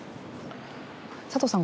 佐藤さん